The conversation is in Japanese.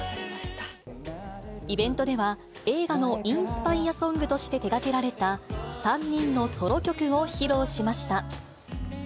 イベントでは、映画のインスパイアソングとして手がけられた、３人のソロ曲を披露しました。